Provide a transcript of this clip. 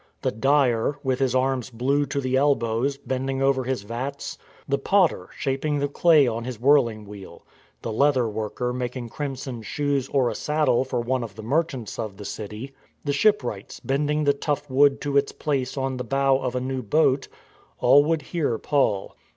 The dyer, with his arms blue to the elbows, bending over his vats ; the potter shaping the clay on his whirl ing wheel; the leather worker making crimson shoes or a saddle for one of the merchants of the city; the shipwrights bending the tough wood to its place on the bow of a new boat; — all would hear Paul.